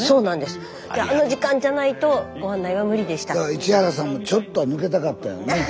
市原さんもちょっとは抜けたかったんやろね。